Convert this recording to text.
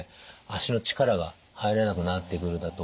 足の力が入らなくなってくるだとか